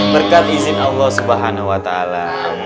berkat izin allah subhanahu wa ta'ala